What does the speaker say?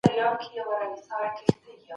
دیني فکر انسان ته یو ځانګړی وقار او عزت ورکوي.